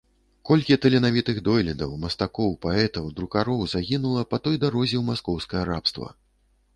Колькі таленавітых дойлідаў, мастакоў, паэтаў, друкароў загінула па той дарозе ў маскоўскае рабства!